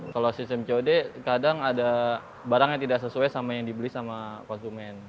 kalau sistem cod kadang ada barang yang tidak sesuai sama yang dibeli sama konsumen